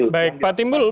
baik pak timbul